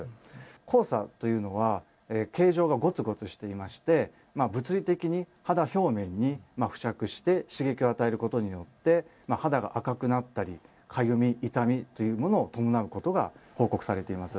黄砂というのは、形状がごつごつしていまして、物理的に肌表面に付着して刺激を与えることによって、肌が赤くなったり、かゆみ、痛みというものを伴うことが報告されています。